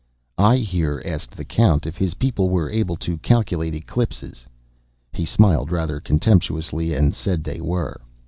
I here asked the Count if his people were able to calculate eclipses. He smiled rather contemptuously, and said they were.